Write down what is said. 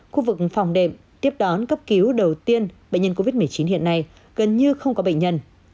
khu vực phòng đệm tiếp đón cấp cứu đầu tiên bệnh nhân covid một mươi chín hiện nay gần như không có bệnh nhân